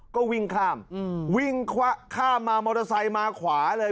ก็วิ่งข้ามวิ่งข้ามมามอเตอร์ไซค์มาขวาเลย